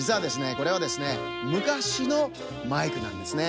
これはですねむかしのマイクなんですね。